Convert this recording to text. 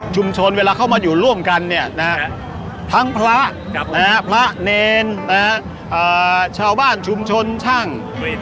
เวลาเข้ามาอยู่ร่วมกันทั้งพระพระเนรชาวบ้านชุมชนช่าง